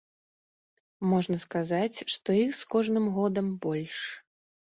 Можна сказаць, што іх з кожным годам больш.